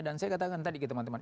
dan saya katakan tadi ke teman teman